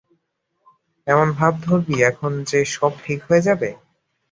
এমন ভাব ধরবি এখন যে সব ঠিক হয়ে যাবে?